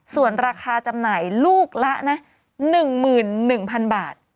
ส่วนราคาจำหน่ายลูกละนะ๑๑๐๐๐บาท